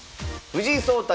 藤井聡太